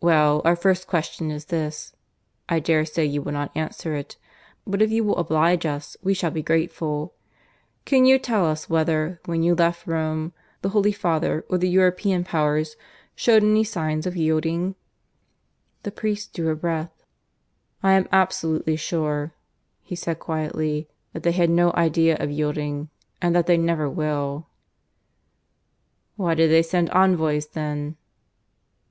"Well, our first question is this (I dare say you will not answer it; but if you will oblige us, we shall be grateful): Can you tell us whether, when you left Rome, the Holy Father, or the European Powers, showed any signs of yielding?" The priest drew a breath. "I am absolutely sure," he said quietly, "that they had no idea of yielding, and that they never will." "Why did they send envoys then?"